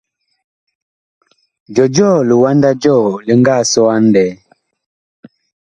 Jɔjɔɔ liwanda jɔɔ li nga sɔ a ŋlɛɛ ?